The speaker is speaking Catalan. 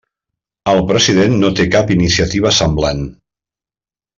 El president no té cap iniciativa semblant.